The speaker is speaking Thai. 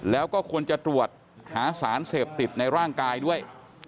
แล้วก็ควรจะตรวจหาสารเสพติดในร่างกายด้วย